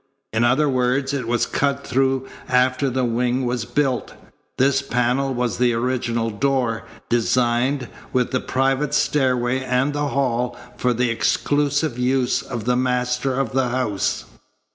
In other words, it was cut through after the wing was built. This panel was the original door, designed, with the private stairway and the hall, for the exclusive use of the master of the house.